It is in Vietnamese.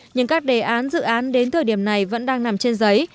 nhưng các đề án dự án đến thời điểm này vẫn đang nằm trên giấy